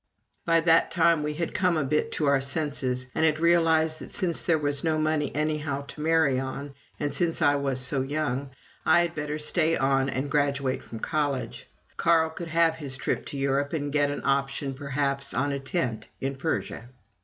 By that time, we had come a bit to our senses, and I had realized that since there was no money anyhow to marry on, and since I was so young, I had better stay on and graduate from college. Carl could have his trip to Europe and get an option, perhaps, on a tent in Persia.